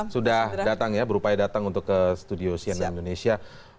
sudah datang ya berupaya datang untuk ke studio cnn indonesia